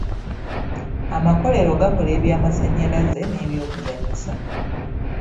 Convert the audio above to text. Amakolero gakola ebyamasannyalaze n'ebyokuzannyisa.